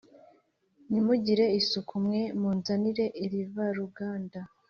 Ntimugira isuku mwe munzaniye irivaruganda!